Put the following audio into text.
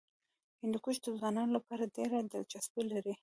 هندوکش د ځوانانو لپاره ډېره دلچسپي لري.